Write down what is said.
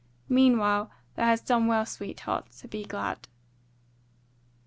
Meanwhile thou hast done well, sweetheart, so be glad."